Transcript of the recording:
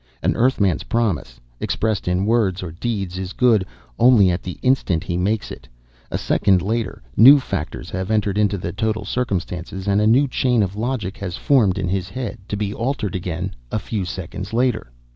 An Earthman's promise expressed in words or deeds is good only at the instant he makes it. A second later, new factors have entered into the total circumstances, and a new chain of logic has formed in his head to be altered again, a few seconds later."